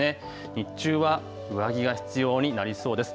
日中は上着が必要になりそうです。